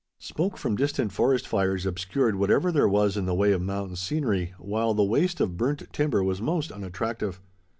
Smoke from distant forest fires obscured whatever there was in the way of mountain scenery, while the waste of burnt timber was most unattractive.